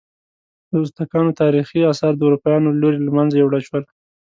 ازتکانو تاریخي آثار د اروپایانو له لوري له منځه یوړل شول.